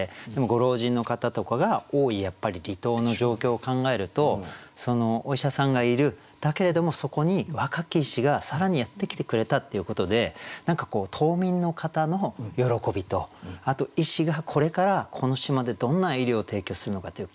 ご老人の方とかが多い離島の状況を考えるとお医者さんがいるだけれどもそこに若き医師が更にやって来てくれたっていうことで何かこう島民の方の喜びとあと医師がこれからこの島でどんな医療を提供するのかっていう希望と。